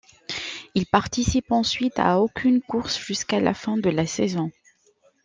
Il participe ensuite à aucune course jusqu'à la fin de la saison.